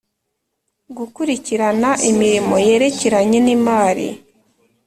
Gukurikirana imirimo yerekeranye n imari